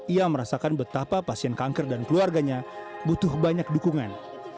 ia merasakan betapa pasien kanker dan keluarganya butuh banyak dukungan